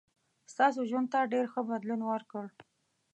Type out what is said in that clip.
ستاسو ژوند ته ډېر ښه بدلون ورکړ.